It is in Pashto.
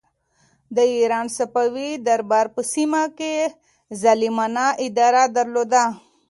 د ایران صفوي دربار په سیمه کې ظالمانه اداره درلوده.